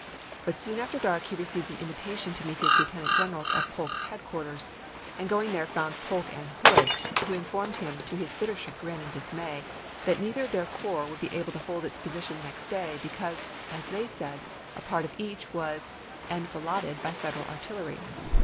But soon after dark he received an invitation to meet his lieutenant generals at Polk's headquarters, and 16 ABEAHAM LINCOLN chap. i. going there found Polk and Hood, who informed him, to his bitter chagrin and dismay, that neither of their corps would be able to hold its position next day, because, as they said, a part of each was enfiladed by Federal artillery.